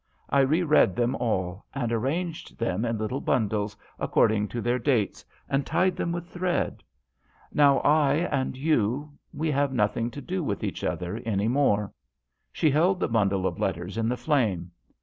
I re read them all, and arranged them in little bundles according to their dates, and tied them with thread. Now I and you we have nothing to do with each other any more." She held the bundle of letters in the flame.